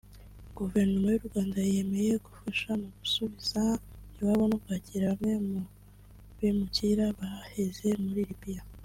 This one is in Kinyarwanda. Guverinoma y’u Rwanda yemeye gufasha mu gusubiza iwabo no kwakira bamwe mu bimukira baheze muri Libya